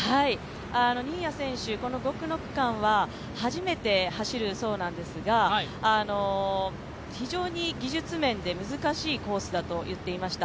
新谷選手、この５区の区間は初めて走るそうなんですが、非常に技術面で難しいコースだと言っていました。